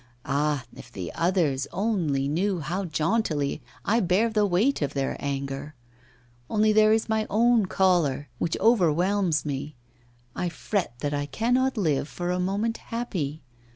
Ah! if the others only knew how jauntily I bear the weight of their anger. Only there is my own choler, which overwhelms me; I fret that I cannot live for a moment happy.